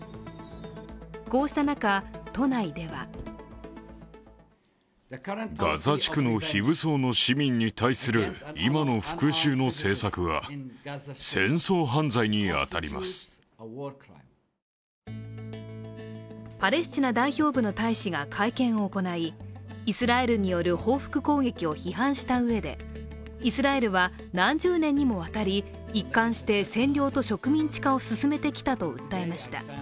こうした中、都内ではパレスチナ代表部の大使が会見を行いイスラエルによる報復攻撃を批判したうえでイスラエルは何十年にもわたり一貫して占領と植民地化を進めてきたと訴えました。